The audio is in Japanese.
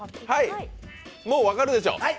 もう分かるでしょう。